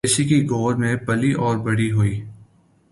اسی کی گود میں پلی اور بڑی ہوئی۔